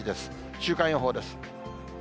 週間予報です。